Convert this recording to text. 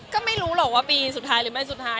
ก็ไม่รู้หรอกว่าปีสุดท้ายหรือไม่สุดท้าย